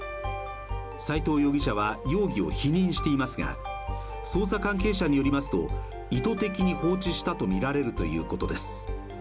斉藤容疑者は容疑を否認していますが、捜査関係者によりますと意図的に放置したとみられるということです。